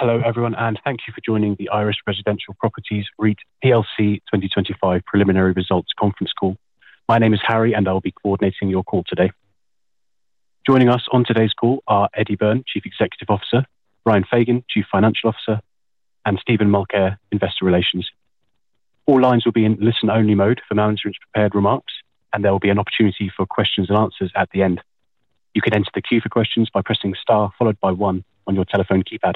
Hello, everyone, and thank you for joining the Irish Res idential Properties REIT plc 2025 preliminary results conference call. My name is Harry, and I'll be coordinating your call today. Joining us on today's call are Eddie Byrne, Chief Executive Officer, Brian Fagan, Chief Financial Officer, and Stephen Mulcair, Investor Relations. All lines will be in listen-only mode for management's prepared remarks, and therewill be an opportunity for questions and answers at the end. You can enter the queue for questions by pressing star followed by 1 on your telephone keypad.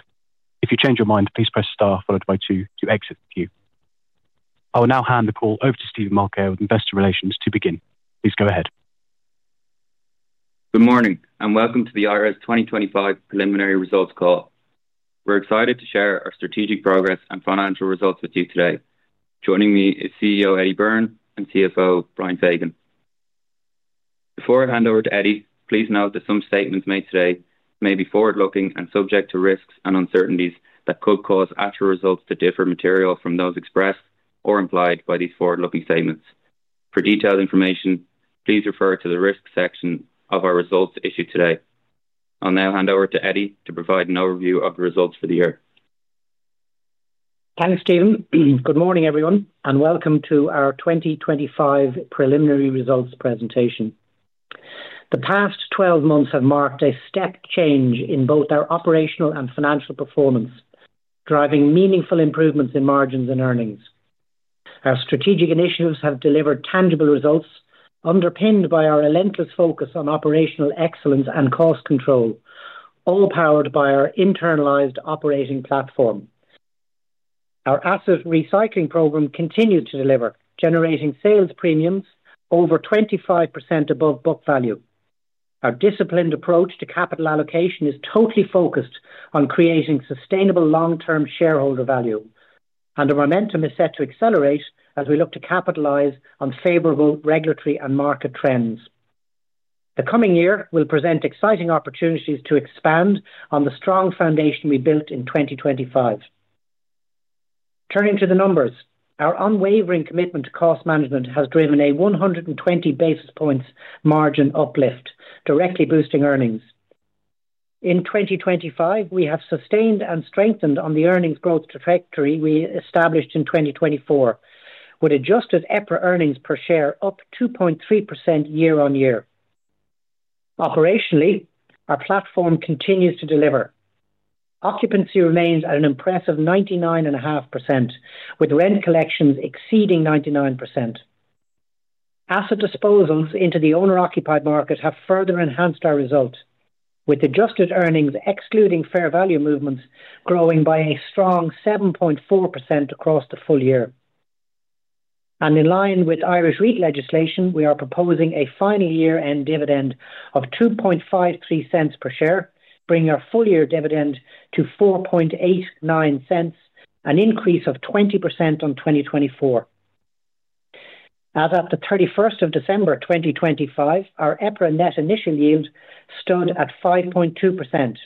If you change your mind, please press star followed by 2 to exit the queue. I will now hand the call over to Stephen Mulcair with Investor Relations to begin. Please go ahead. Good morning, and welcome to the I-RES 2025 preliminary results call. We're excited to share our strategic progress and financial results with you today. Joining me is CEO, Eddie Byrne, and CFO, Brian Fagan. Before I hand over to Eddie, please note that some statements made today may be forward-looking and subject to risks and uncertainties that could cause actual results to differ materially from those expressed or implied by these forward-looking statements. For detailed information, please refer to the risk section of our results issued today. I'll now hand over to Eddie to provide an overview of the results for the year. Thanks, Stephen. Good morning, everyone, and welcome to our 2025 preliminary results presentation. The past 12 months have marked a step change in both our operational and financial performance, driving meaningful improvements in margins and earnings. Our strategic initiatives have delivered tangible results, underpinned by our relentless focus on operational excellence and cost control, all powered by our internalized operating platform. Our asset recycling program continued to deliver, generating sales premiums over 25% above book value. Our disciplined approach to capital allocation is totally focused on creating sustainable long-term shareholder value, and the momentum is set to accelerate as we look to capitalize on favorable regulatory and market trends. The coming year will present exciting opportunities to expand on the strong foundation we built in 2025. Turning to the numbers, our unwavering commitment to cost management has driven a 120 basis points margin uplift, directly boosting earnings. In 2025, we have sustained and strengthened on the earnings growth trajectory we established in 2024, with adjusted EPRA earnings per share up 2.3% year-on-year. Operationally, our platform continues to deliver. Occupancy remains at an impressive 99.5%, with rent collections exceeding 99%. Asset disposals into the owner-occupied market have further enhanced our results, with adjusted earnings excluding fair value movements, growing by a strong 7.4% across the full year. In line with Irish REIT legislation, we are proposing a final year-end dividend of 0.0253 per share, bringing our full-year dividend to 0.0489, an increase of 20% on 2024. As of the 31st of December 2025, our EPRA Net Initial Yield stood at 5.2%,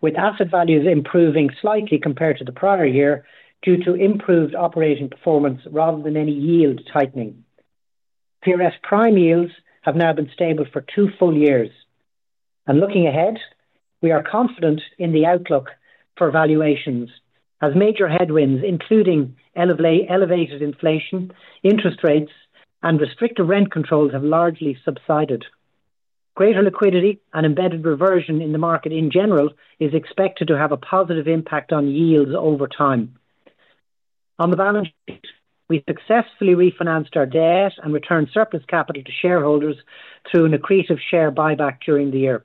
with asset values improving slightly compared to the prior year due to improved operating performance rather than any yield tightening. PRS prime yields have now been stable for two full years. Looking ahead, we are confident in the outlook for valuations as major headwinds, including elevated inflation, interest rates, and restrictive rent controls, have largely subsided. Greater liquidity and embedded reversion in the market in general is expected to have a positive impact on yields over time. On the balance sheet, we successfully refinanced our debt and returned surplus capital to shareholders through an accretive share buyback during the year.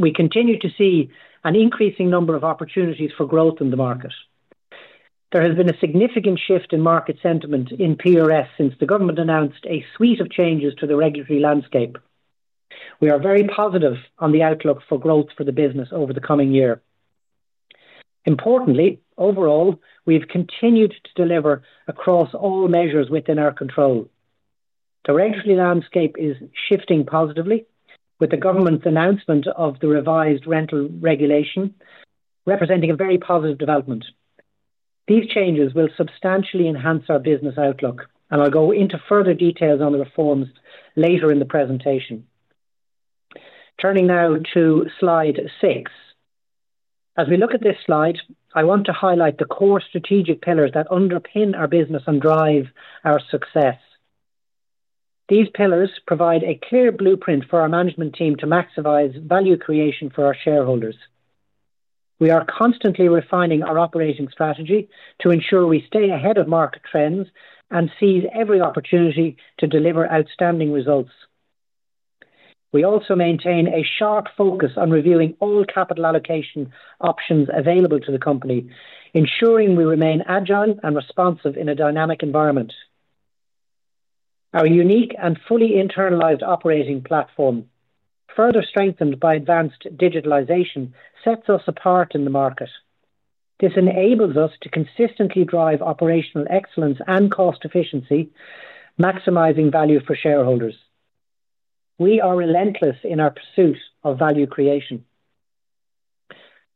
We continue to see an increasing number of opportunities for growth in the market. There has been a significant shift in market sentiment in PRS since the government announced a suite of changes to the regulatory landscape. We are very positive on the outlook for growth for the business over the coming year. Importantly, overall, we've continued to deliver across all measures within our control. The regulatory landscape is shifting positively, with the government's announcement of the revised rental regulation representing a very positive development. These changes will substantially enhance our business outlook, and I'll go into further details on the reforms later in the presentation. Turning now to Slide 6. As we look at this slide, I want to highlight the core strategic pillars that underpin our business and drive our success. These pillars provide a clear blueprint for our management team to maximize value creation for our shareholders. We are constantly refining our operating strategy to ensure we stay ahead of market trends and seize every opportunity to deliver outstanding results. We also maintain a sharp focus on reviewing all capital allocation options available to the company, ensuring we remain agile and responsive in a dynamic environment. Our unique and fully internalized operating platform, further strengthened by advanced digitalization, sets us apart in the market. This enables us to consistently drive operational excellence and cost efficiency, maximizing value for shareholders. We are relentless in our pursuit of value creation.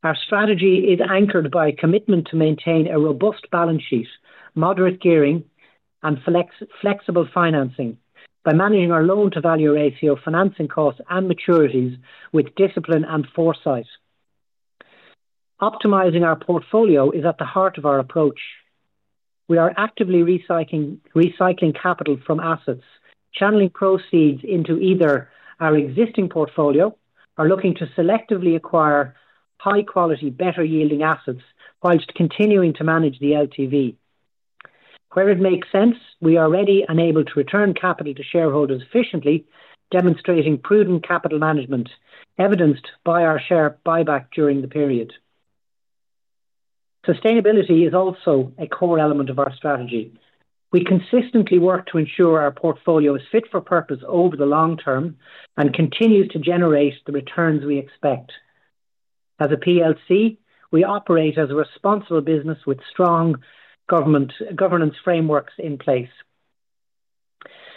Our strategy is anchored by a commitment to maintain a robust balance sheet, moderate gearing and flexible financing by managing our loan-to-value ratio, financing costs, and maturities with discipline and foresight. Optimizing our portfolio is at the heart of our approach. We are actively recycling capital from assets, channeling proceeds into either our existing portfolio or looking to selectively acquire high-quality, better-yielding assets, whilst continuing to manage the LTV. Where it makes sense, we are ready and able to return capital to shareholders efficiently, demonstrating prudent capital management, evidenced by our share buyback during the period. Sustainability is also a core element of our strategy. We consistently work to ensure our portfolio is fit for purpose over the long term and continues to generate the returns we expect. As a PLC, we operate as a responsible business with strong governance frameworks in place.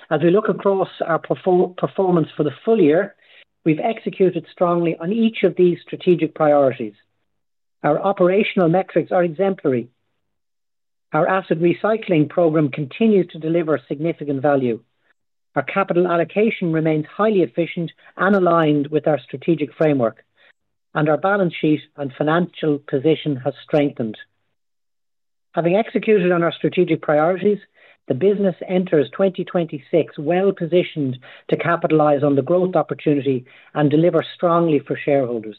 As we look across our performance for the full year, we've executed strongly on each of these strategic priorities. Our operational metrics are exemplary. Our asset recycling program continues to deliver significant value. Our capital allocation remains highly efficient and aligned with our strategic framework, and our balance sheet and financial position has strengthened. Having executed on our strategic priorities, the business enters 2026, well-positioned to capitalize on the growth opportunity and deliver strongly for shareholders.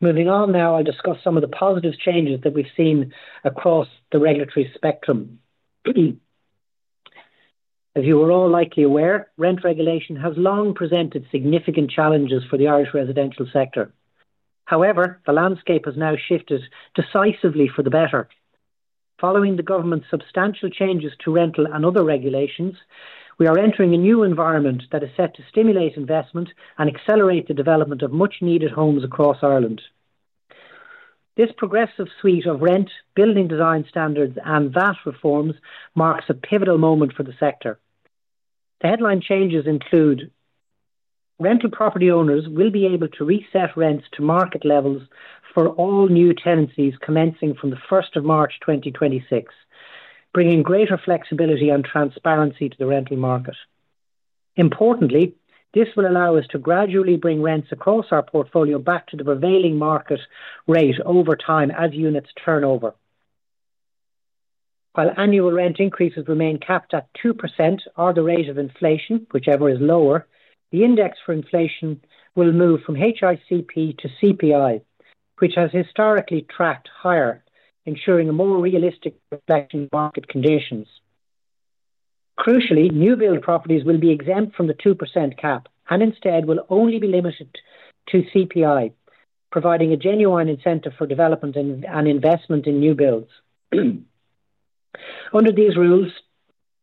Moving on now, I'll discuss some of the positive changes that we've seen across the regulatory spectrum. As you are all likely aware, rent regulation has long presented significant challenges for the Irish residential sector. However, the landscape has now shifted decisively for the better. Following the government's substantial changes to rental and other regulations, we are entering a new environment that is set to stimulate investment and accelerate the development of much-needed homes across Ireland. This progressive suite of rent, building design standards, and VAT reforms marks a pivotal moment for the sector. The headline changes include: rental property owners will be able to reset rents to market levels for all new tenancies commencing from the first of March 2026, bringing greater flexibility and transparency to the rental market. Importantly, this will allow us to gradually bring rents across our portfolio back to the prevailing market rate over time as units turn over. While annual rent increases remain capped at 2% or the rate of inflation, whichever is lower, the index for inflation will move from HICP to CPI, which has historically tracked higher, ensuring a more realistic reflection of market conditions. Crucially, new build properties will be exempt from the 2% cap and instead will only be limited to CPI, providing a genuine incentive for development and investment in new builds. Under these rules,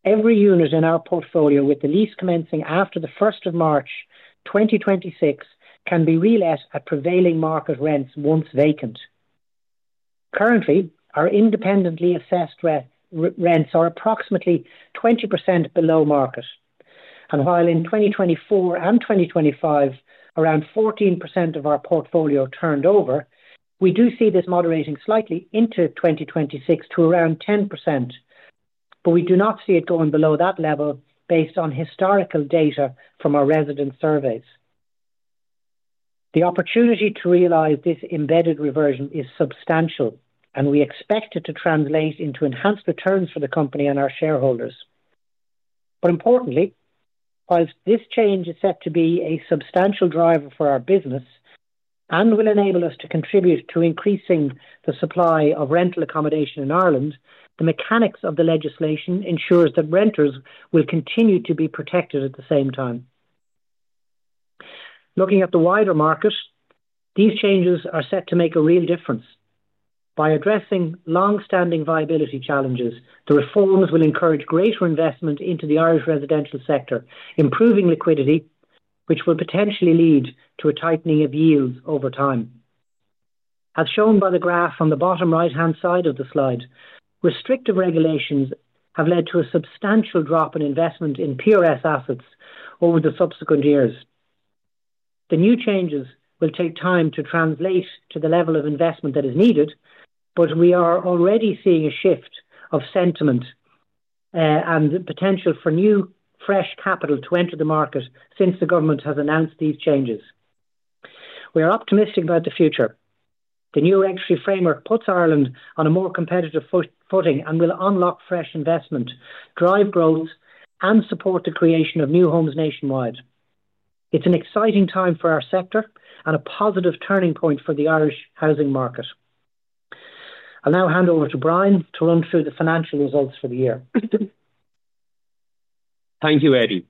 every unit in our portfolio with the lease commencing after the 1st of March 2026 can be relet at prevailing market rents once vacant. Currently, our independently assessed rents are approximately 20% below market. While in 2024 and 2025, around 14% of our portfolio turned over, we do see this moderating slightly into 2026 to around 10%, but we do not see it going below that level based on historical data from our resident surveys. The opportunity to realize this embedded reversion is substantial, and we expect it to translate into enhanced returns for the company and our shareholders. Importantly, whilst this change is set to be a substantial driver for our business and will enable us to contribute to increasing the supply of rental accommodation in Ireland, the mechanics of the legislation ensures that renters will continue to be protected at the same time. Looking at the wider market, these changes are set to make a real difference. By addressing long-standing viability challenges, the reforms will encourage greater investment into the Irish residential sector, improving liquidity, which will potentially lead to a tightening of yields over time. As shown by the graph on the bottom right-hand side of the slide, restrictive regulations have led to a substantial drop in investment in PRS assets over the subsequent years. The new changes will take time to translate to the level of investment that is needed, but we are already seeing a shift of sentiment and the potential for new, fresh capital to enter the market since the government has announced these changes. We are optimistic about the future. The new regulatory framework puts Ireland on a more competitive footing and will unlock fresh investment, drive growth, and support the creation of new homes nationwide. It's an exciting time for our sector and a positive turning point for the Irish housing market. I'll now hand over to Brian to run through the financial results for the year. Thank you, Eddie.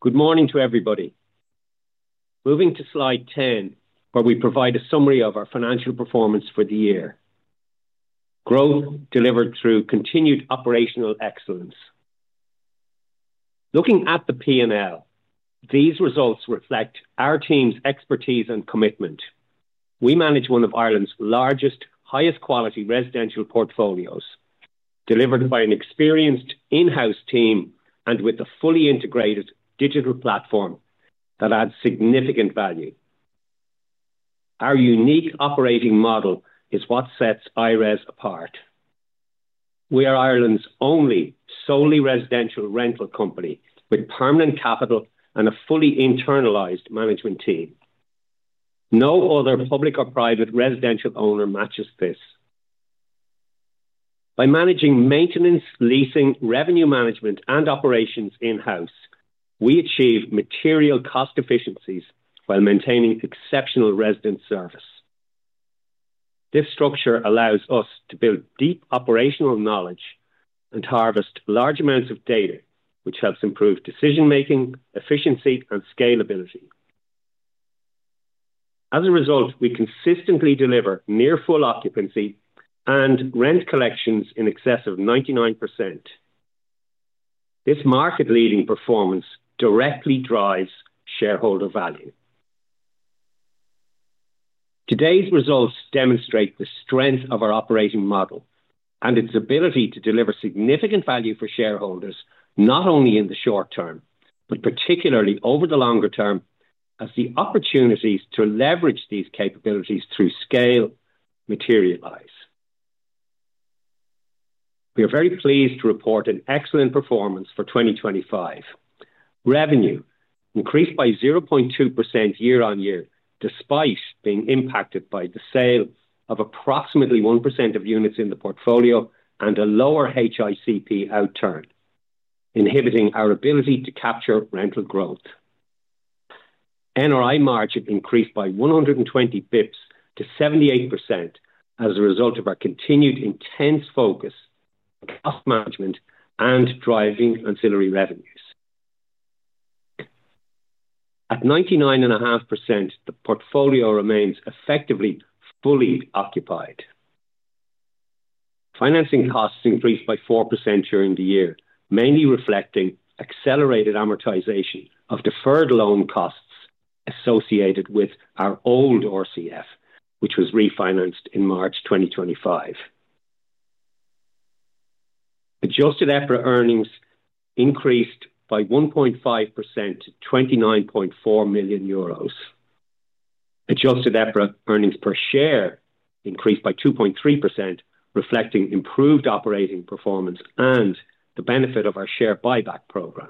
Good morning to everybody. Moving to slide 10, where we provide a summary of our financial performance for the year. Growth delivered through continued operational excellence. Looking at the P&L, these results reflect our team's expertise and commitment. We manage one of Ireland's largest, highest quality residential portfolios, delivered by an experienced in-house team and with a fully integrated digital platform that adds significant value. Our unique operating model is what sets I-RES apart. We are Ireland's only solely residential rental company, with permanent capital and a fully internalized management team. No other public or private residential owner matches this. By managing maintenance, leasing, revenue management, and operations in-house, we achieve material cost efficiencies while maintaining exceptional resident service. This structure allows us to build deep operational knowledge and harvest large amounts of data, which helps improve decision making, efficiency, and scalability. As a result, we consistently deliver near full occupancy and rent collections in excess of 99%. This market-leading performance directly drives shareholder value. Today's results demonstrate the strength of our operating model and its ability to deliver significant value for shareholders, not only in the short-term, but particularly over the longer-term, as the opportunities to leverage these capabilities through scale materialize. We are very pleased to report an excellent performance for 2025. Revenue increased by 0.2% year-on-year, despite being impacted by the sale of approximately 1% of units in the portfolio and a lower HICP outturn, inhibiting our ability to capture rental growth. NRI Margin increased by 120 basis points to 78% as a result of our continued intense focus on cost management and driving ancillary revenues. At 99.5%, the portfolio remains effectively fully occupied. Financing costs increased by 4% during the year, mainly reflecting accelerated amortization of deferred loan costs associated with our old RCF, which was refinanced in March 2025. Adjusted EPRA Earnings increased by 1.5% to 29.4 million euros. Adjusted EPRA Earnings Per Share increased by 2.3%, reflecting improved operating performance and the benefit of our share buyback program.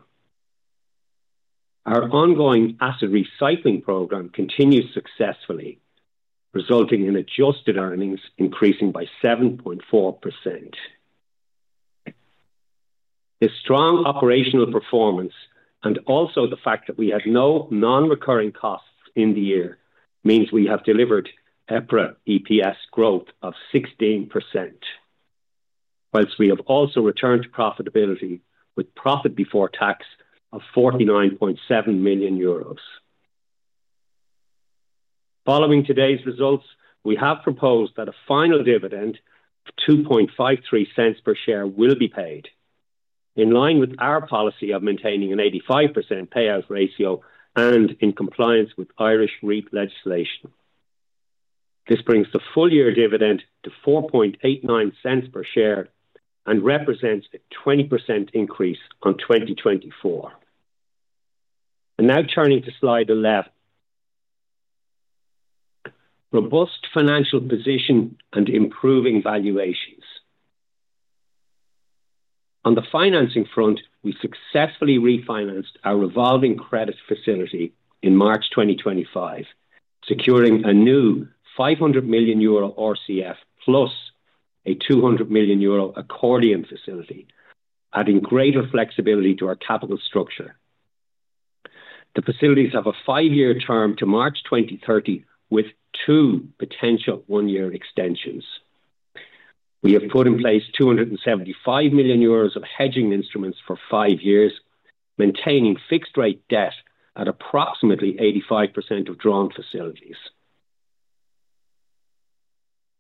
Our ongoing asset recycling program continues successfully, resulting in adjusted earnings increasing by 7.4%. This strong operational performance, and also the fact that we had no non-recurring costs in the year, means we have delivered EPRA EPS growth of 16%, whilst we have also returned to profitability with profit before tax of EUR 49.7 million. Following today's results, we have proposed that a final dividend of 0.0253 per share will be paid in line with our policy of maintaining an 85% payout ratio and in compliance with Irish REIT legislation. This brings the full year dividend to 0.0489 per share and represents a 20% increase on 2024. Now turning to slide 11. Robust financial position and improving valuations. On the financing front, we successfully refinanced our revolving credit facility in March 2025, securing a new 500 million euro RCF plus a 200 million euro accordion facility, adding greater flexibility to our capital structure. The facilities have a five-year term to March 2030, with two potential one-year extensions. We have put in place 275 million euros of hedging instruments for five years, maintaining fixed rate debt at approximately 85% of drawn facilities.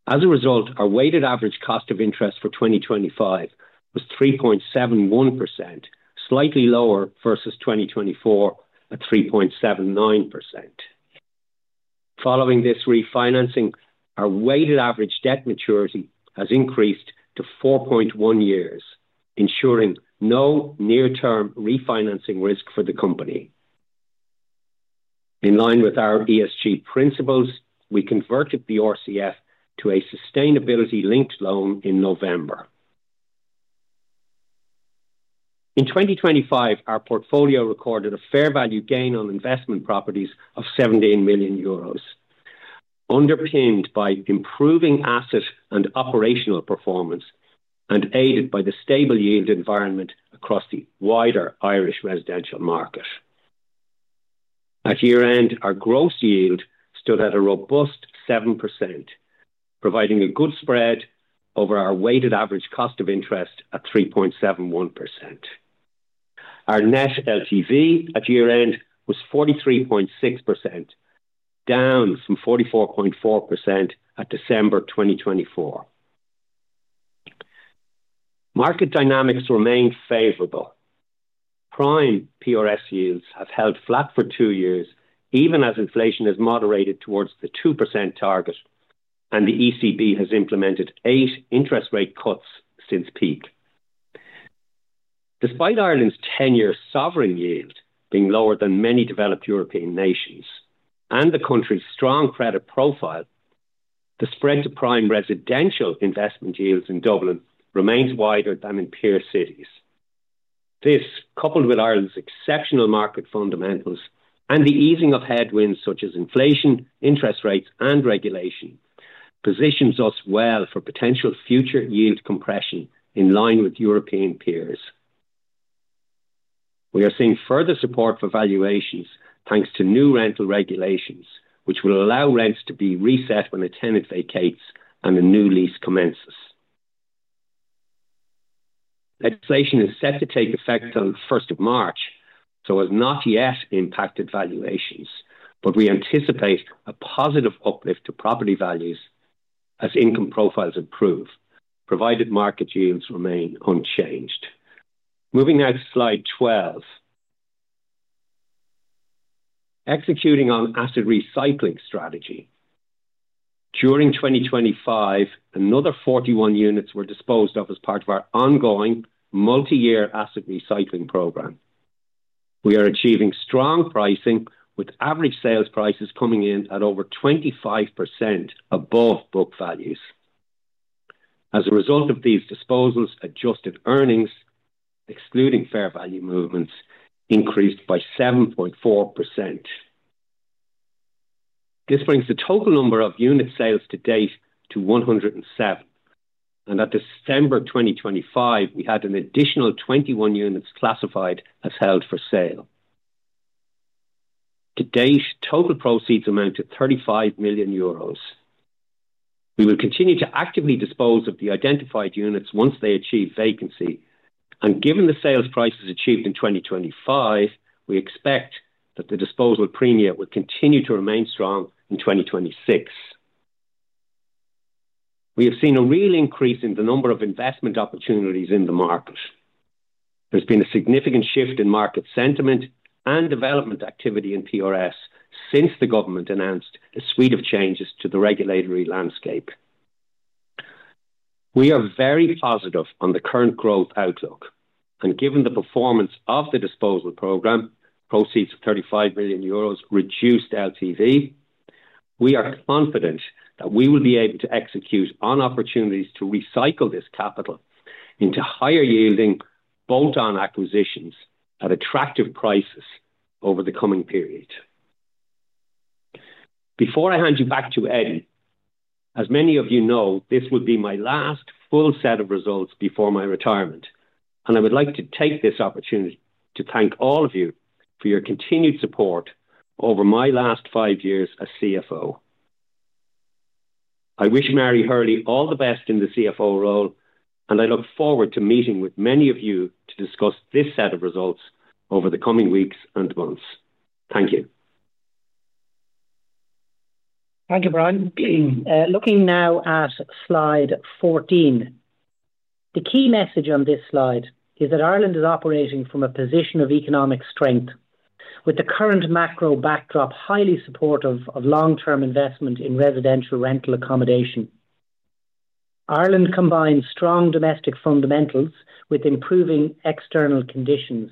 As a result, our weighted average cost of interest for 2025 was 3.71%, slightly lower versus 2024 at 3.79%. Following this refinancing, our weighted average debt maturity has increased to 4.1 years, ensuring no near-term refinancing risk for the company. In line with our ESG principles, we converted the RCF to a Sustainability Linked Loan in November. In 2025, our portfolio recorded a fair value gain on investment properties of 17 million euros, underpinned by improving asset and operational performance and aided by the stable yield environment across the wider Irish residential market. At year-end, our gross yield stood at a robust 7%, providing a good spread over our weighted average cost of interest at 3.71%. Our net LTV at year-end was 43.6%, down from 44.4% at December 2024. Market dynamics remain favorable. Prime PRS yields have held flat for two years, even as inflation has moderated towards the 2% target, and the ECB has implemented eight interest rate cuts since peak. Despite Ireland's 10-year sovereign yield being lower than many developed European nations and the country's strong credit profile, the spread to prime residential investment yields in Dublin remains wider than in peer cities. This, coupled with Ireland's exceptional market fundamentals and the easing of headwinds such as inflation, interest rates, and regulation, positions us well for potential future yield compression in line with European peers. We are seeing further support for valuations, thanks to new rental regulations, which will allow rents to be reset when a tenant vacates and a new lease commences. Legislation is set to take effect on the first of March, so has not yet impacted valuations, but we anticipate a positive uplift to property values as income profiles improve, provided market yields remain unchanged. Moving now to slide 12. Executing on asset recycling strategy. During 2025, another 41 units were disposed of as part of our ongoing multi-year asset recycling program. We are achieving strong pricing, with average sales prices coming in at over 25% above book values. As a result of these disposals, adjusted earnings, excluding fair value movements, increased by 7.4%. This brings the total number of unit sales to date to 107, and at December 2025, we had an additional 21 units classified as held for sale. To date, total proceeds amount to 35 million euros. We will continue to actively dispose of the identified units once they achieve vacancy. Given the sales prices achieved in 2025, we expect that the disposal premium will continue to remain strong in 2026. We have seen a real increase in the number of investment opportunities in the market. There's been a significant shift in market sentiment and development activity in PRS since the government announced a suite of changes to the regulatory landscape. We are very positive on the current growth outlook, and given the performance of the disposal program, proceeds of 35 million euros reduced LTV, we are confident that we will be able to execute on opportunities to recycle this capital into higher-yielding, bolt-on acquisitions at attractive prices over the coming period. Before I hand you back to Eddie, as many of you know, this will be my last full set of results before my retirement, and I would like to take this opportunity to thank all of you for your continued support over my last five years as CFO. I wish Marie Hurley all the best in the CFO role, and I look forward to meeting with many of you to discuss this set of results over the coming weeks and months. Thank you. Thank you, Brian. Looking now at slide 14. The key message on this slide is that Ireland is operating from a position of economic strength, with the current macro backdrop highly supportive of long-term investment in residential rental accommodation. Ireland combines strong domestic fundamentals with improving external conditions.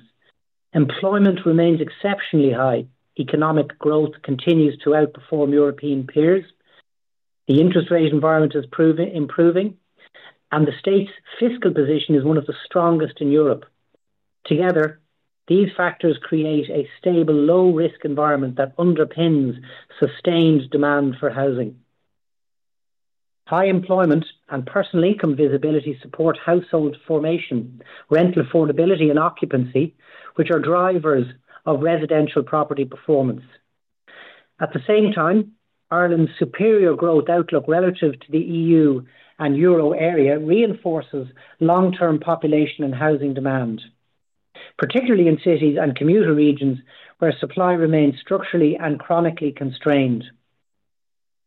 Employment remains exceptionally high. Economic growth continues to outperform European peers. The interest rate environment is proving, improving, and the State's fiscal position is one of the strongest in Europe. Together, these factors create a stable, low-risk environment that underpins sustained demand for housing. High employment and personal income visibility support household formation, rental affordability, and occupancy, which are drivers of residential property performance. At the same time, Ireland's superior growth outlook relative to the EU and euro area reinforces long-term population and housing demand, particularly in cities and commuter regions where supply remains structurally and chronically constrained.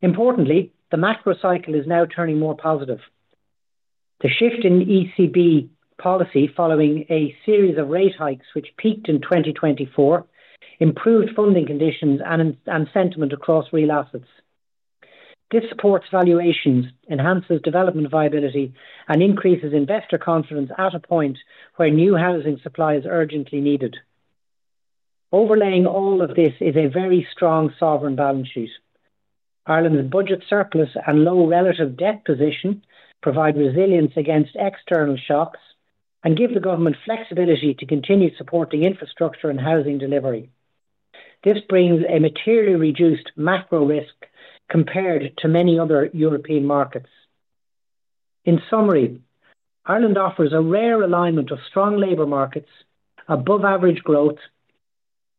Importantly, the macro cycle is now turning more positive. The shift in ECB policy following a series of rate hikes, which peaked in 2024, improved funding conditions and sentiment across real assets. This supports valuations, enhances development viability, and increases investor confidence at a point where new housing supply is urgently needed. Overlaying all of this is a very strong sovereign balance sheet. Ireland's budget surplus and low relative debt position provide resilience against external shocks and give the government flexibility to continue supporting infrastructure and housing delivery. This brings a materially reduced macro risk compared to many other European markets. In summary, Ireland offers a rare alignment of strong labor markets, above-average growth,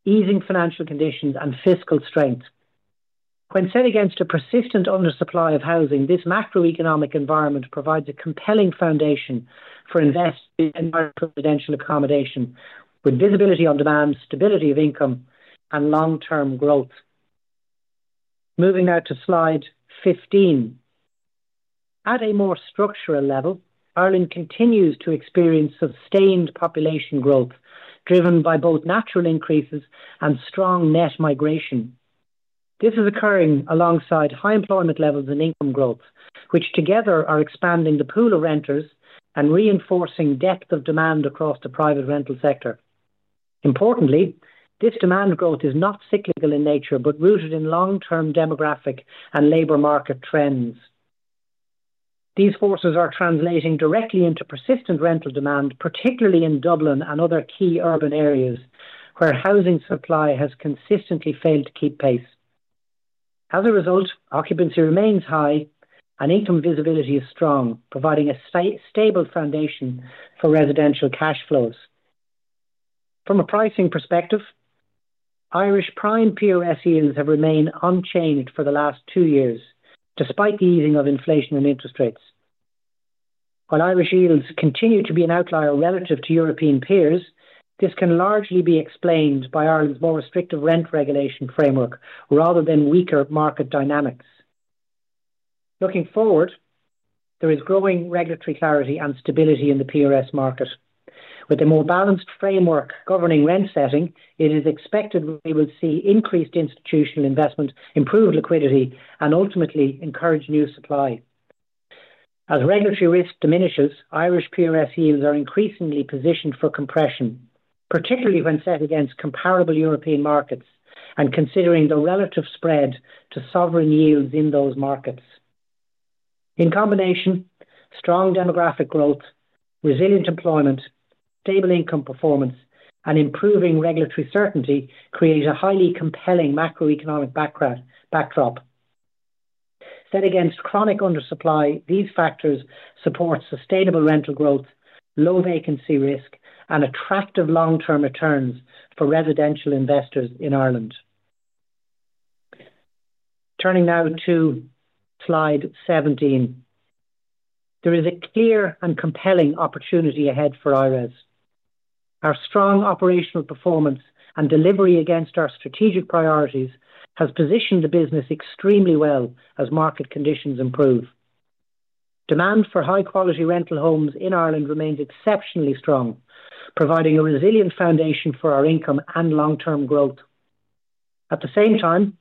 easing financial conditions, and fiscal strength. When set against a persistent undersupply of housing, this macroeconomic environment provides a compelling foundation for investing in residential accommodation, with visibility on demand, stability of income, and long-term growth. Moving now to slide 15. At a more structural level, Ireland continues to experience sustained population growth, driven by both natural increases and strong net migration. This is occurring alongside high employment levels and income growth, which together are expanding the pool of renters and reinforcing depth of demand across the private rental sector. Importantly, this demand growth is not cyclical in nature, but rooted in long-term demographic and labor market trends. These forces are translating directly into persistent rental demand, particularly in Dublin and other key urban areas, where housing supply has consistently failed to keep pace. As a result, occupancy remains high and income visibility is strong, providing a stable foundation for residential cash flows. From a pricing perspective, Irish prime PRS yields have remained unchanged for the last two years, despite the easing of inflation and interest rates. While Irish yields continue to be an outlier relative to European peers, this can largely be explained by Ireland's more restrictive rent regulation framework rather than weaker market dynamics. Looking forward, there is growing regulatory clarity and stability in the PRS market. With a more balanced framework governing rent setting, it is expected we will see increased institutional investment, improved liquidity, and ultimately encourage new supply. As regulatory risk diminishes, Irish PRS yields are increasingly positioned for compression, particularly when set against comparable European markets and considering the relative spread to sovereign yields in those markets. In combination, strong demographic growth, resilient employment, stable income performance, and improving regulatory certainty create a highly compelling macroeconomic backdrop. Set against chronic undersupply, these factors support sustainable rental growth, low vacancy risk, and attractive long-term returns for residential investors in Ireland. Turning now to slide 17. There is a clear and compelling opportunity ahead for I-RES. Our strong operational performance and delivery against our strategic priorities has positioned the business extremely well as market conditions improve. Demand for high-quality rental homes in Ireland remains exceptionally strong, providing a resilient foundation for our income and long-term growth. At the same time,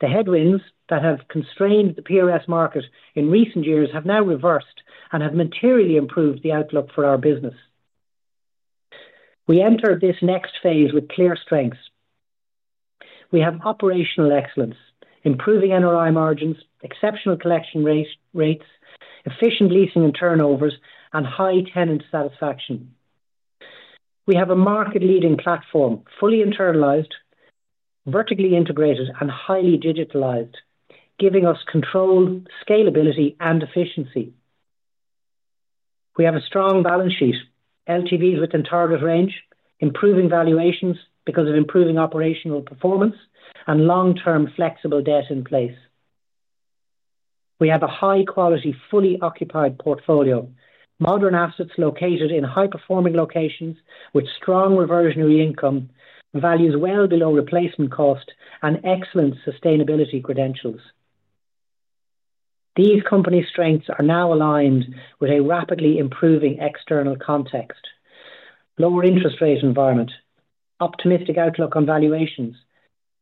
the headwinds that have constrained the PRS market in recent years have now reversed and have materially improved the outlook for our business. We enter this next phase with clear strengths. We have operational excellence, improving NOI margins, exceptional collection rates, efficient leasing and turnovers, and high tenant satisfaction. We have a market-leading platform, fully internalized, vertically integrated, and highly digitalized, giving us control, scalability, and efficiency. We have a strong balance sheet, LTV is within target range, improving valuations because of improving operational performance and long-term flexible debt in place. We have a high-quality, fully occupied portfolio, modern assets located in high-performing locations with strong reversionary income, values well below replacement cost, and excellent sustainability credentials. These company strengths are now aligned with a rapidly improving external context. Lower interest rate environment, optimistic outlook on valuations,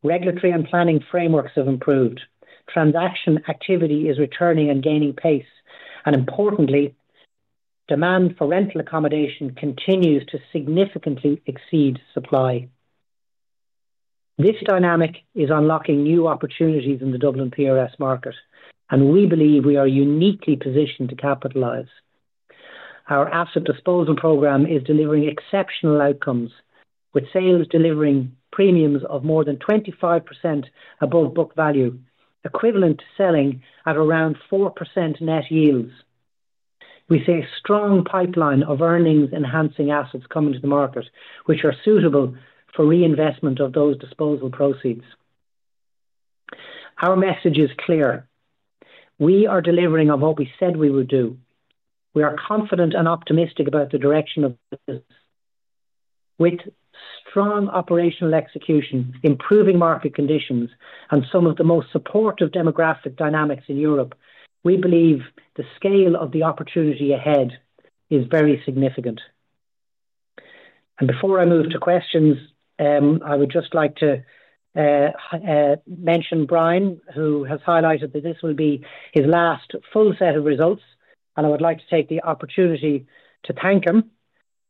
regulatory and planning frameworks have improved, transaction activity is returning and gaining pace, and importantly, demand for rental accommodation continues to significantly exceed supply. This dynamic is unlocking new opportunities in the Dublin PRS market, and we believe we are uniquely positioned to capitalize. Our asset disposal program is delivering exceptional outcomes, with sales delivering premiums of more than 25% above book value, equivalent to selling at around 4% net yields. We see a strong pipeline of earnings-enhancing assets coming to the market, which are suitable for reinvestment of those disposal proceeds. Our message is clear: We are delivering on what we said we would do. We are confident and optimistic about the direction of the business. With strong operational execution, improving market conditions, and some of the most supportive demographic dynamics in Europe, we believe the scale of the opportunity ahead is very significant. Before I move to questions, I would just like to mention Brian, who has highlighted that this will be his last full set of results, and I would like to take the opportunity to thank him.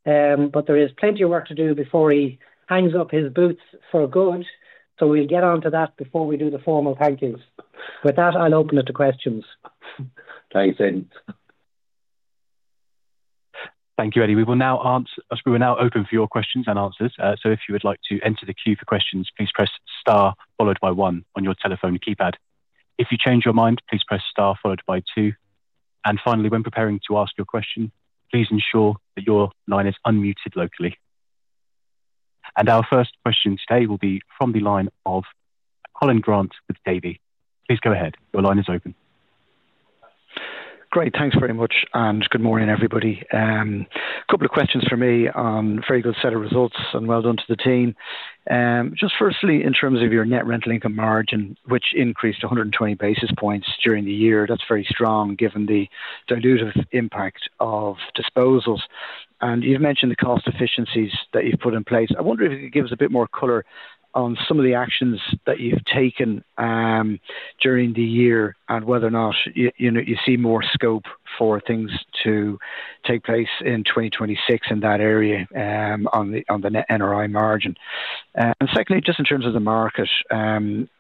There is plenty of work to do before he hangs up his boots for good, so we'll get on to that before we do the formal thank-yous. With that, I'll open it to questions. Thanks, then. Thank you, Eddie. We are now open for your questions and answers. If you would like to enter the queue for questions, please press star followed by one on your telephone keypad. If you change your mind, please press star followed by two. Finally, when preparing to ask your question, please ensure that your line is unmuted locally. Our first question today will be from the line of Colin Grant with Davy. Please go ahead. Your line is open. Great. Thanks very much, and good morning, everybody. A couple of questions from me. Very good set of results, and well done to the team. Just firstly, in terms of your Net Rental Income Margin, which increased 120 basis points during the year, that's very strong given the dilutive impact of disposals, and you've mentioned the cost efficiencies that you've put in place. I wonder if you could give us a bit more color on some of the actions that you've taken during the year and whether or not you know, you see more scope for things to take place in 2026 in that area, on the net NRI Margin. Secondly, just in terms of the market,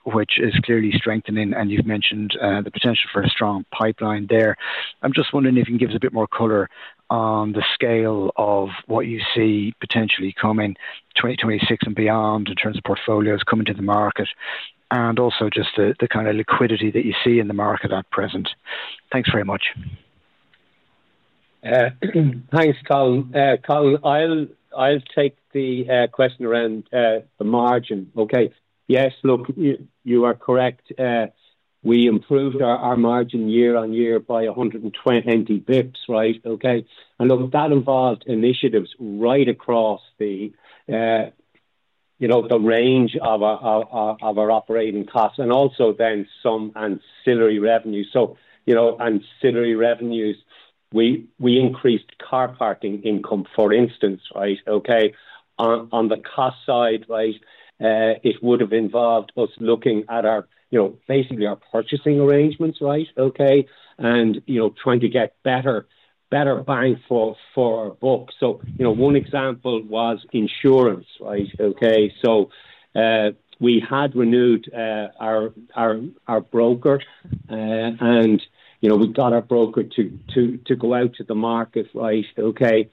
which is clearly strengthening, and you've mentioned the potential for a strong pipeline there. I'm just wondering if you can give us a bit more color on the scale of what you see potentially coming 2026 and beyond, in terms of portfolios coming to the market, and also just the kind of liquidity that you see in the market at present. Thanks very much. Thanks, Colin. Colin, I'll take the question around the margin. Okay. Yes, look, you are correct. We improved our margin year-on-year by 120 basis points, right? Okay. Look, that involved initiatives right across the, you know, the range of our operating costs and also then some ancillary revenue. You know, ancillary revenues, we increased car parking income, for instance, right, okay? On the cost side, right, it would have involved us looking at our, you know, basically our purchasing arrangements, right, okay? You know, trying to get better bang for our buck. You know, one example was insurance, right, okay? We had renewed our broker and, you know, we got our broker to go out to the market, right, okay,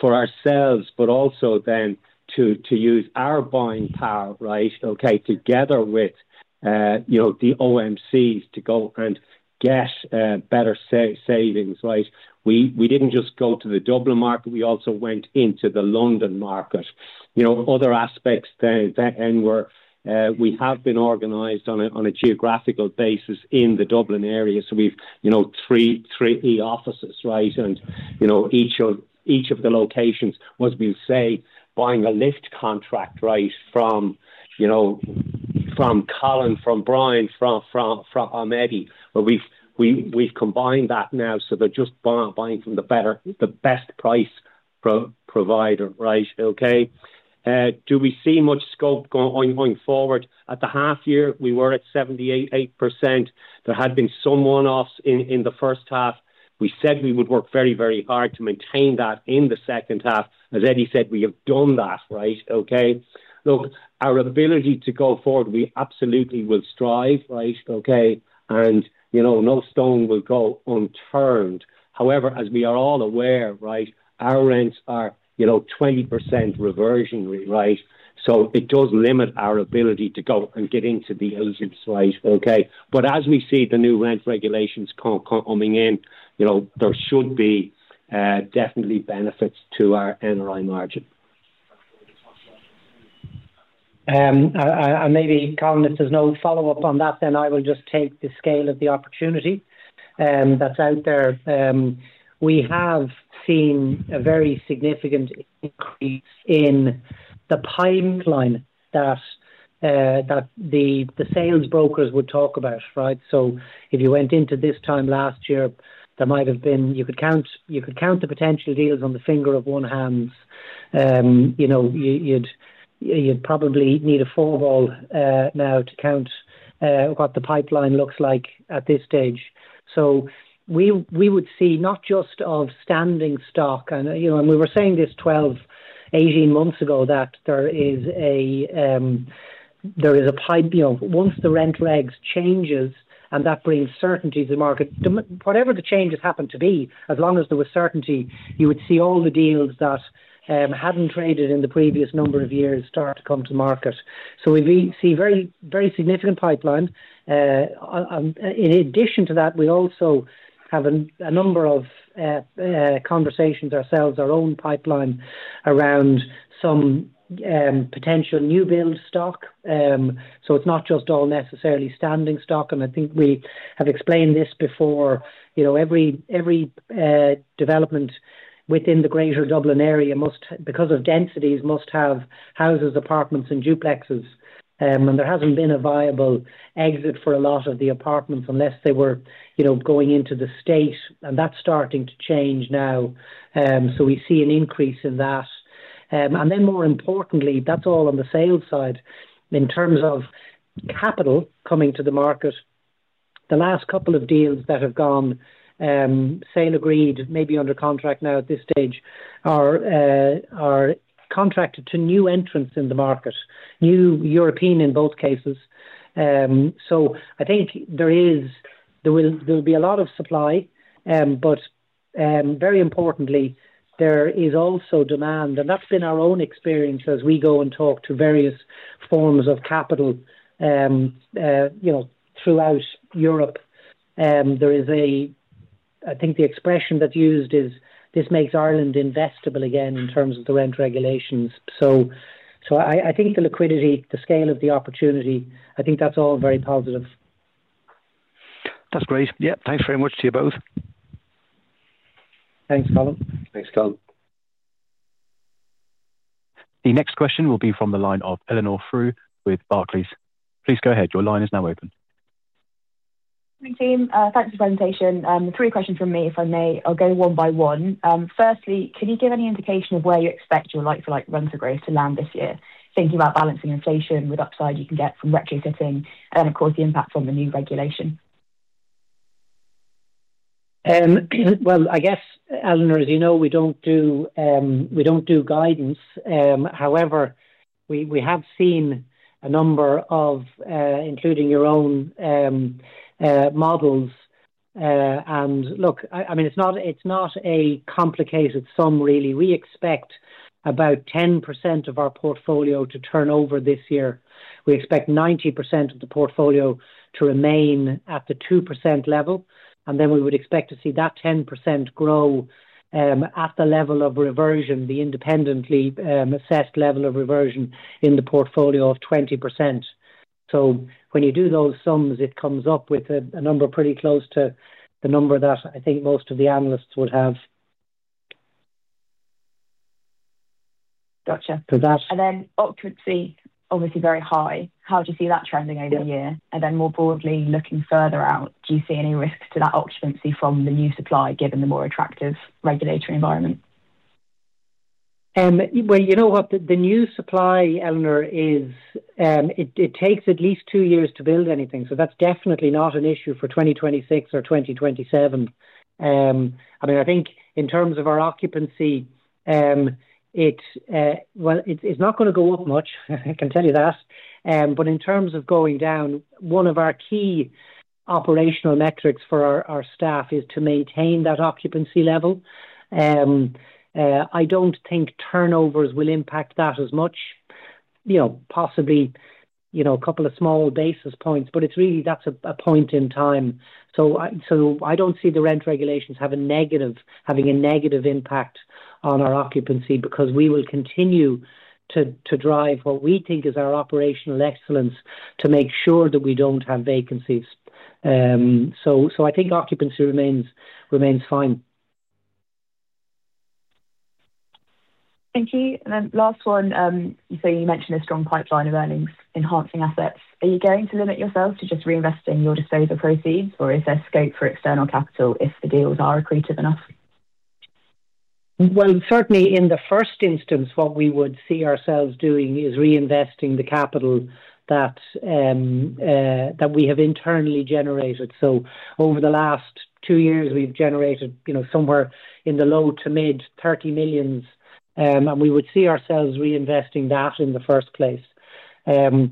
for ourselves, but also then to use our buying power, right, okay, together with, you know, the OMCs to go and get better savings, right? We didn't just go to the Dublin market. We also went into the London market. You know, other aspects then were we have been organized on a geographical basis in the Dublin area, so we've, you know, three offices, right? You know, each of the locations was, we say, buying a lift contract, right, from, you know, Colin, from Brian, from Eddie. We've combined that now, so they're just buying from the better, the best price provider, right, okay? Do we see much scope going forward? At the half year, we were at 78.8%. There had been some one-offs in the first half. We said we would work very, very hard to maintain that in the second half. As Eddie said, we have done that, right, okay? Look, our ability to go forward, we absolutely will strive, right, okay? You know, no stone will go unturned. However, as we are all aware, right, our rents are, you know, 20% reversion, right? It does limit our ability to go and get into the yields, right, okay? As we see the new rent regulations coming in, you know, there should be definitely benefits to our NRI margin. Maybe, Colin, if there's no follow-up on that, then I will just take the scale of the opportunity that's out there. We have seen a very significant increase in the pipeline that the sales brokers would talk about, right? If you went into this time last year, there might have been. You could count the potential deals on the finger of one hands. You know, you'd probably need a full ball now to count what the pipeline looks like at this stage. We would see not just of standing stock, and, you know, we were saying this 12-18 months ago, that there is a pipe, you know, once the rent regs changes, and that brings certainty to the market, whatever the changes happen to be. As long as there was certainty, you would see all the deals that hadn't traded in the previous number of years start to come to market. We see very, very significant pipeline. In addition to that, we also have a number of conversations ourselves, our own pipeline, around some potential new build stock. It's not just all necessarily standing stock, and I think we have explained this before. You know, every development within the Greater Dublin Area, because of densities, must have houses, apartments, and duplexes. There hasn't been a viable exit for a lot of the apartments unless they were, you know, going into the State, and that's starting to change now. We see an increase in that. More importantly, that's all on the sales side. In terms of capital coming to the market, the last couple of deals that have gone sale agreed, maybe under contract now at this stage, are contracted to new entrants in the market, new European in both cases. I think there will be a lot of supply, but very importantly, there is also demand, and that's been our own experience as we go and talk to various forms of capital, you know, throughout Europe. I think the expression that's used is, "This makes Ireland investable again" in terms of the rent regulations. I think the liquidity, the scale of the opportunity, I think that's all very positive. That's great. Yeah. Thanks very much to you both. Thanks, Colin. Thanks, Colin. The next question will be from the line of Eleanor Frew with Barclays. Please go ahead. Your line is now open. Good morning, team. Thanks for the presentation. Three questions from me, if I may. I'll go one by one. Firstly, can you give any indication of where you expect your like-for-like rents or growth to land this year? Thinking about balancing inflation with upside you can get from retrofitting and, of course, the impact from the new regulation. Well, I guess, Eleanor, as you know, we don't do guidance. However, we have seen a number of, including your own, models. Look, I mean, it's not a complicated sum, really. We expect about 10% of our portfolio to turn over this year. We expect 90% of the portfolio to remain at the 2% level, and then we would expect to see that 10% grow at the level of reversion, the independently assessed level of reversion in the portfolio of 20%. When you do those sums, it comes up with a number pretty close to the number that I think most of the analysts would have. Gotcha. So that- Occupancy, obviously very high. How do you see that trending over the year? Yeah. More broadly, looking further out, do you see any risk to that occupancy from the new supply, given the more attractive regulatory environment? Well, you know what? The new supply, Eleanor, is, it takes at least two years to build anything, so that's definitely not an issue for 2026 or 2027. I mean, I think in terms of our occupancy, well, it's not going to go up much, I can tell you that. In terms of going down, one of our key operational metrics for our staff is to maintain that occupancy level. I don't think turnovers will impact that as much. You know, possibly, you know, a couple of small basis points, but it's really, that's a point in time. I don't see the rent regulations having a negative impact on our occupancy, because we will continue to drive what we think is our operational excellence to make sure that we don't have vacancies. I think occupancy remains fine. Thank you. Last one. You mentioned a strong pipeline of earnings-enhancing assets. Are you going to limit yourself to just reinvesting your disposal proceeds, or is there scope for external capital if the deals are accretive enough? Well, certainly in the first instance, what we would see ourselves doing is reinvesting the capital that we have internally generated. Over the last two years, we've generated, you know, somewhere in the low to mid 30 million, and we would see ourselves reinvesting that in the first place. Above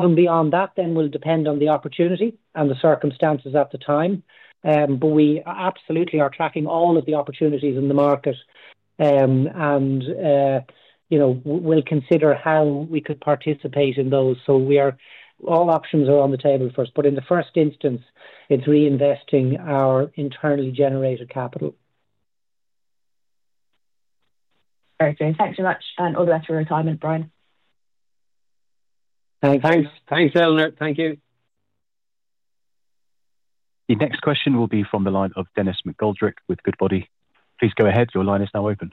and beyond that then will depend on the opportunity and the circumstances at the time. We absolutely are tracking all of the opportunities in the market. You know, we'll consider how we could participate in those. All options are on the table for us. In the first instance, it's reinvesting our internally generated capital. All right, James. Thanks so much, and all the best for your retirement, Brian. Thanks. Thanks, Eleanor. Thank you. The next question will be from the line of Denis McGoldrick with Goodbody. Please go ahead. Your line is now open.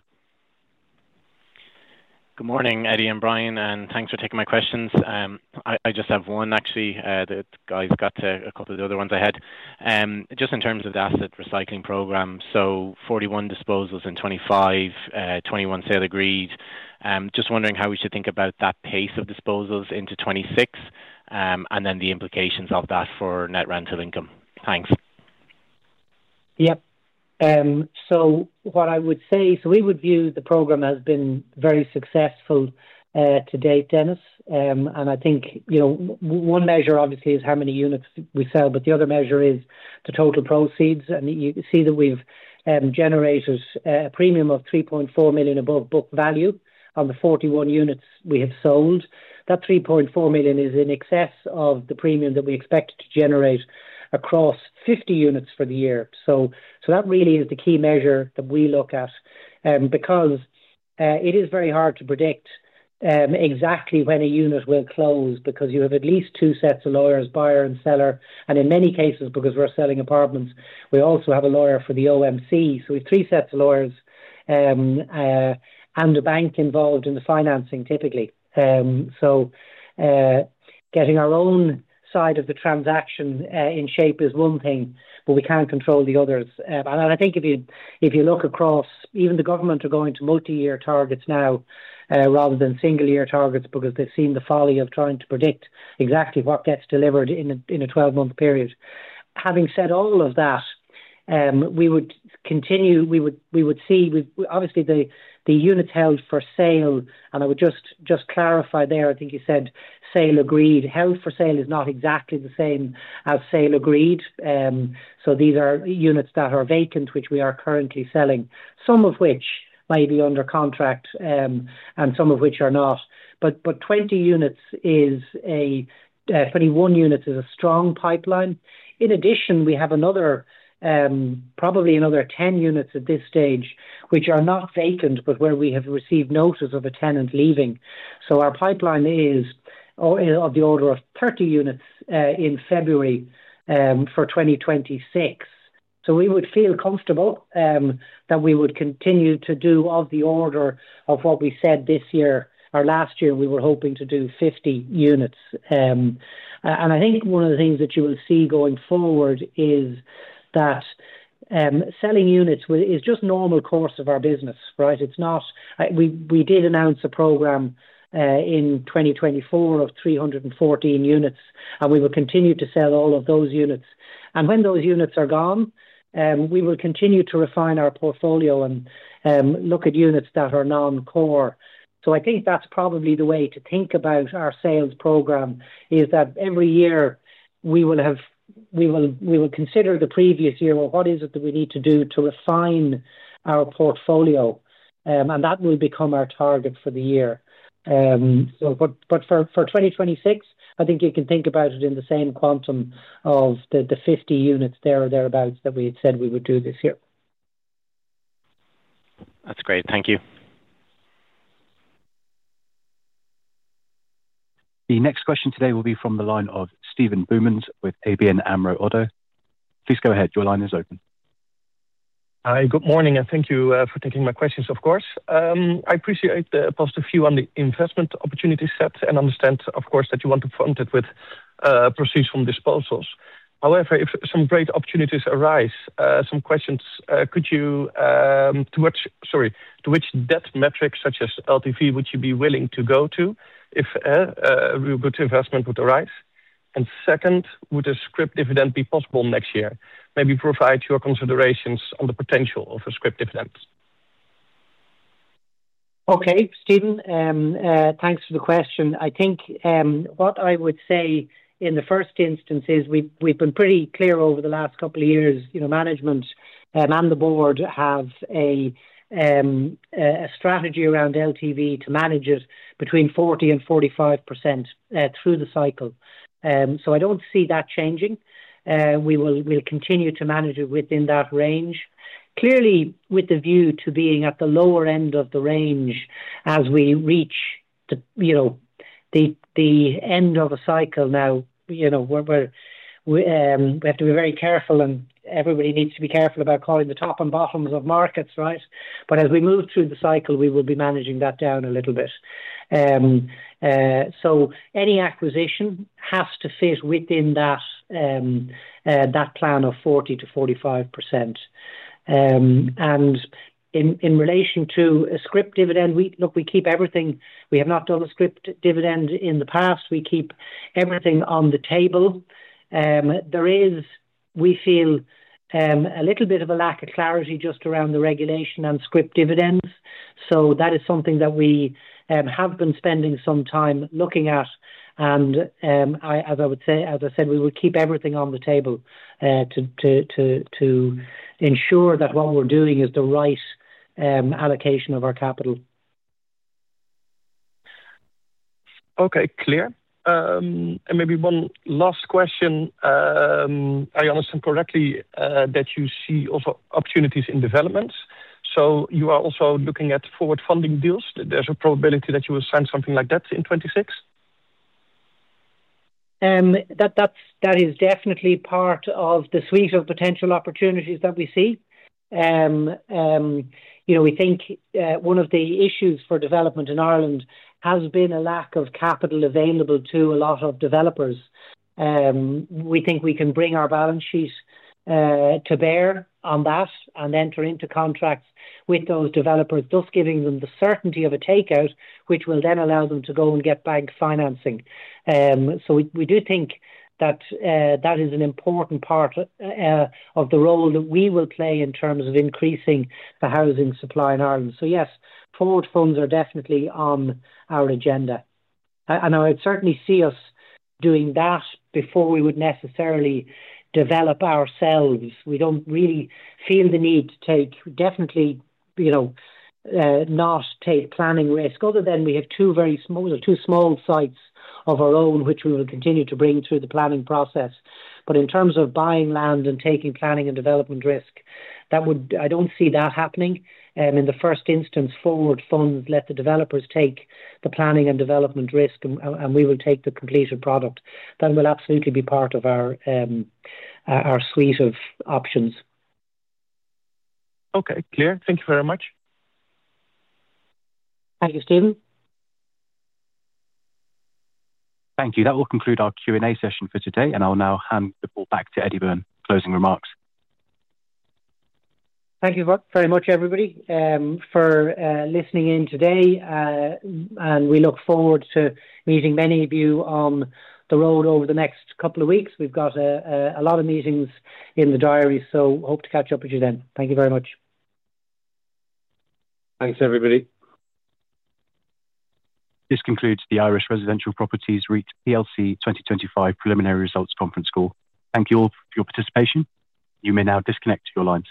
Good morning, Eddie and Brian, and thanks for taking my questions. I just have one, actually. The guys got to a couple of the other ones I had. Just in terms of the asset recycling program, so 41 disposals in 2025, 21 sale agreed. Just wondering how we should think about that pace of disposals into 2026 and then the implications of that for net rental income? Thanks. Yep. What I would say, so we would view the program as been very successful to date, Dennis. I think, you know, one measure, obviously, is how many units we sell, but the other measure is the total proceeds. You can see that we've generated a premium of 3.4 million above book value on the 41 units we have sold. That 3.4 million is in excess of the premium that we expect to generate across 50 units for the year. That really is the key measure that we look at because it is very hard to predict exactly when a unit will close, because you have at least two sets of lawyers, buyer and seller, and in many cases, because we're selling apartments, we also have a lawyer for the OMC. We have three sets of lawyers and a bank involved in the financing, typically. Getting our own side of the transaction in shape is one thing, but we can't control the others. I think if you look across, even the government are going to multi-year targets now, rather than single-year targets, because they've seen the folly of trying to predict exactly what gets delivered in a 12-month period. Having said all of that, we would continue, we would see, obviously, the units held for sale, and I would just clarify there, I think you said, "Sale agreed." Held for sale is not exactly the same as sale agreed. These are units that are vacant, which we are currently selling, some of which may be under contract, and some of which are not. But 21 units is a strong pipeline. In addition, we have another, probably another 10 units at this stage, which are not vacant, but where we have received notice of a tenant leaving. Our pipeline is of the order of 30 units in February for 2026. We would feel comfortable that we would continue to do of the order of what we said this year, or last year, we were hoping to do 50 units. I think one of the things that you will see going forward is that selling units is just normal course of our business, right? We did announce a program in 2024 of 314 units, and we will continue to sell all of those units. When those units are gone, we will continue to refine our portfolio and look at units that are non-core. I think that's probably the way to think about our sales program, is that every year we will consider the previous year. Well, what is it that we need to do to refine our portfolio? That will become our target for the year. But for 2026, I think you can think about it in the same quantum of the 50 units, there or thereabouts, that we had said we would do this year. That's great. Thank you. The next question today will be from the line of Steven Boumans with ABN AMRO Oddo. Please go ahead. Your line is open. Hi, good morning, and thank you for taking my questions, of course. I appreciate the post review on the investment opportunity set and understand, of course, that you want to fund it with proceeds from disposals. However, if some great opportunities arise, some questions, to which, sorry, to which debt metrics such as LTV would you be willing to go to if a real good investment would arise? Second, would a scrip dividend be possible next year? Maybe provide your considerations on the potential of a scrip dividend. Okay, Steven, thanks for the question. I think what I would say in the first instance is we've been pretty clear over the last couple of years, you know, management and the board have a strategy around LTV to manage it between 40% and 45% through the cycle. I don't see that changing. We'll continue to manage it within that range. Clearly, with the view to being at the lower end of the range as we reach the, you know, the end of a cycle. Now, you know, we have to be very careful, and everybody needs to be careful about calling the top and bottoms of markets, right? As we move through the cycle, we will be managing that down a little bit. Any acquisition has to fit within that plan of 40%-45%. In relation to a scrip dividend, look, we keep everything. We have not done a scrip dividend in the past. We keep everything on the table. There is, we feel, a little bit of a lack of clarity just around the regulation on scrip dividends, so that is something that we have been spending some time looking at. As I said, we will keep everything on the table to ensure that what we're doing is the right allocation of our capital. Okay, clear. Maybe one last question. I understand correctly that you see opportunities in developments, so you are also looking at forward funding deals. There's a probability that you will sign something like that in 2026? That is definitely part of the suite of potential opportunities that we see. You know, we think one of the issues for development in Ireland has been a lack of capital available to a lot of developers. We think we can bring our balance sheet to bear on that and enter into contracts with those developers, thus giving them the certainty of a takeout, which will then allow them to go and get bank financing. We do think that that is an important part of the role that we will play in terms of increasing the housing supply in Ireland. Yes, forward funds are definitely on our agenda. I would certainly see us doing that before we would necessarily develop ourselves. We don't really feel the need to, definitely, you know, not take planning risk other than we have two very small, two small sites of our own, which we will continue to bring through the planning process. In terms of buying land and taking planning and development risk, I don't see that happening. In the first instance, forward funds let the developers take the planning and development risk, and we will take the completed product. That will absolutely be part of our suite of options. Okay, clear. Thank you very much. Thank you, Steven. Thank you. That will conclude our Q&A session for today, and I'll now hand the call back to Eddie Byrne for closing remarks. Thank you very much, everybody, for listening in today, and we look forward to meeting many of you on the road over the next couple of weeks. We've got a lot of meetings in the diary, so hope to catch up with you then. Thank you very much. Thanks, everybody. This concludes the Irish Residential Properties REIT PLC 2025 preliminary results conference call. Thank you all for your participation. You may now disconnect your lines.